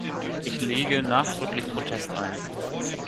Ich lege nachdrücklich Protest ein.